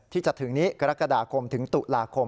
ที่จะถึงนี้กรกฎาคมถึงตุลาคม